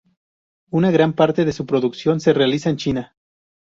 Una gran parte de su producción se realiza en China.